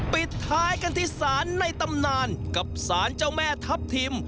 ปิดท้ายกันที่ศาลในตำนานกับสารเจ้าแม่ทัพทิม